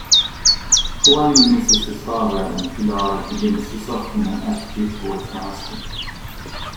Juan misses his father and Pilar begins to soften her attitude towards her husband.